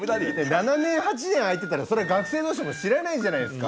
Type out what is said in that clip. ７年８年空いてたらそりゃ学生の人も知らないじゃないですか。